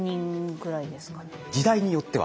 時代によっては。